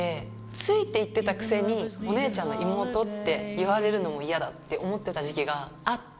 ついて行ってたくせに「お姉ちゃんの妹」って言われるのも嫌だって思ってた時期があって。